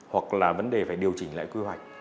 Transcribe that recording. hoặc là vấn đề phải điều chỉnh lại quy hoạch